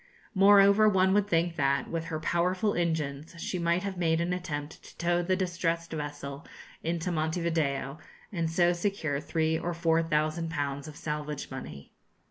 Moreover, one would think that, with her powerful engines, she might have made an attempt to tow the distressed vessel into Monte Video, and so secure three or four thousand pounds of salvage money.